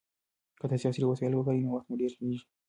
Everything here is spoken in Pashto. که تاسي عصري وسایل وکاروئ نو وخت مو ډېر سپمېږي.